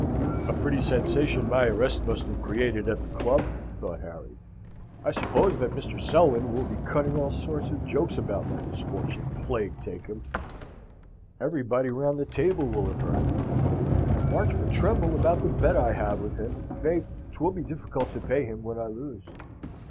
"A pretty sensation my arrest must have created at the club!" thought Harry. "I suppose that Mr. Selwyn will be cutting all sorts of jokes about my misfortune, plague take him! Everybody round the table will have heard of it. March will tremble about the bet I have with him; and, faith, 'twill be difficult to pay him when I lose.